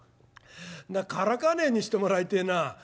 からかわねえようにしてもらいてえなあ」。